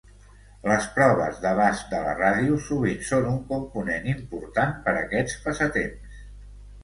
Les proves d'abast de la ràdio sovint són un component important per aquests passatemps.